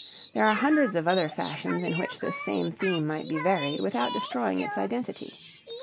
There are hundreds of other fashions in which this same theme might be varied without destroying its identity.